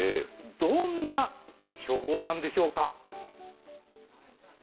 どんな処方なんでしょうか。